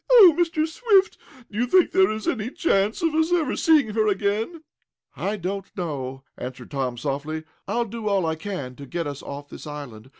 Oh, Mr. Swift! Do you think there is any chance of us ever seeing her again?" "I don't know," answered Tom, softly. "I'll do all I can to get us off this island.